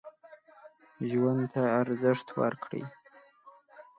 ژوند ته ارزښت ورکړئ.